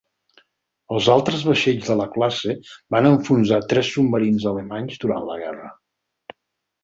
Els altres vaixells de la classe van enfonsar tres submarins alemanys durant la guerra.